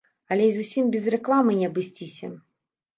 Але і зусім без рэкламы не абысціся.